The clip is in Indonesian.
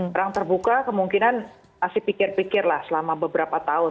perang terbuka kemungkinan masih pikir pikirlah selama beberapa tahun